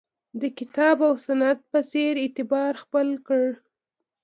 د کتاب او سنت په څېر اعتبار خپل کړ